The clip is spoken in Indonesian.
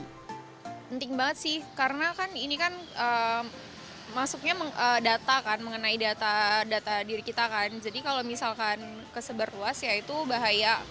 penting banget sih karena kan ini kan masuknya data kan mengenai data data diri kita kan jadi kalau misalkan keseberluas ya itu bahaya